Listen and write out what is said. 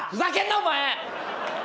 お前。